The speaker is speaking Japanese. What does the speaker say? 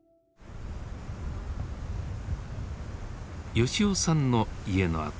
吉男さんの家の跡。